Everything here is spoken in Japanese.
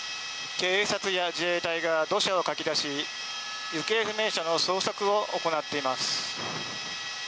警察や自衛隊が土砂をかき出し、行方不明者の捜索を行っています。